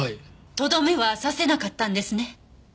とどめは刺せなかったんですね？